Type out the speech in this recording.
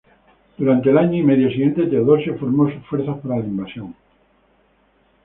Durante el año y medio siguiente, Teodosio formó sus fuerzas para la invasión.